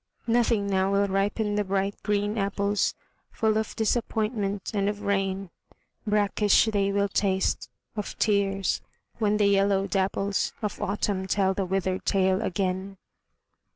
Nothing now will ripen the bright green apples, Full of disappointment and of rain, Brackish they will taste, of tears, when the yellow dapples Of Autumn tell the withered tale again.